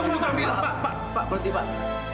pak pak pak berhenti pak